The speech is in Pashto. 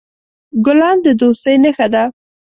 ګلان د دوستۍ نښه ده.